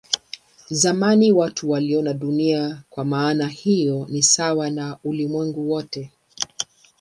Zamani watu waliona Dunia kwa maana hiyo ni sawa na ulimwengu wote.